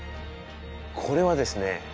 これはですね